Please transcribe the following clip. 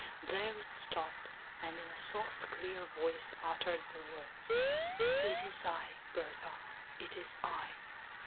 There it stopped, and in a soft clear voice uttered the words: "It is I, Berta; it is I."